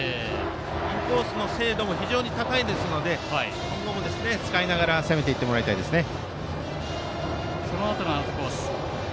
インコースんの精度も非常に高いですので今後も使いながら攻めていってもらいたいですね。